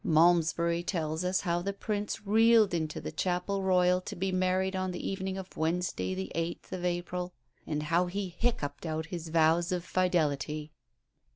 Malmesbury tells us how the Prince reeled into the Chapel Royal to be married on the evening of Wednesday, the 8th of April; and how he hiccuped out his vows of fidelity."